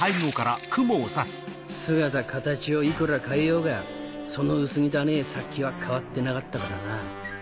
姿形をいくら変えようがその薄汚ねぇ殺気は変わってなかったからな。